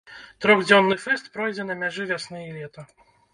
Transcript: Трохдзённы фэст пройдзе на мяжы вясны і лета.